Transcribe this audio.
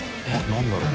何だろう？